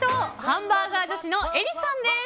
ハンバーガー女子のエリさんです。